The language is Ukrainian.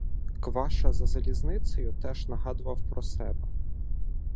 Кваша за залізницею теж нагадував про себе.